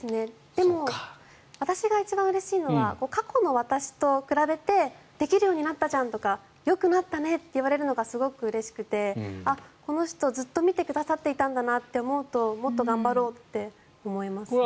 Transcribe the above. でも、私が一番うれしいのは過去の私と比べてできるようになったじゃんとかよくなったねと言われるのがすごくうれしくてあ、この人ずっと見てくださっていたんだなと思うともっと頑張ろうって思いますね。